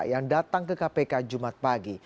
yang datang ke kpk jumat pagi